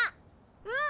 うん！